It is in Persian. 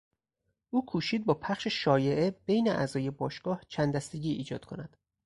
او کوشید با پخش شایعه بین اعضای باشگاه چند دستگی ایجاد کند.